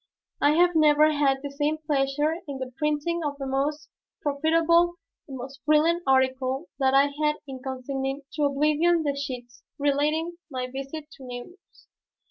I have never had the same pleasure in the printing of the most profitable, the most brilliant article that I had in consigning to oblivion the sheets relating my visit to Nemours.